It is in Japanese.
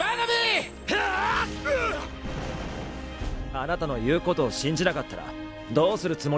あなたの言うことを信じなかったらどうするつもりだったんですか。